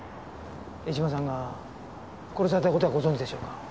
江島さんが殺された事はご存じでしょうか？